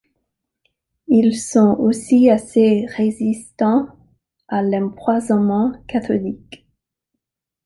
Ils sont aussi assez résistants à l'empoisonnement cathodique.